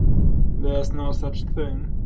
There's no such thing